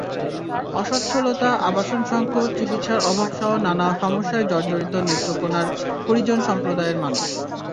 অসচ্ছলতা, আবাসন সংকট, চিকিৎসার অভাবসহ নানা সমস্যায় জর্জরিত নেত্রকোনার হরিজন সম্প্রদায়ের মানুষ।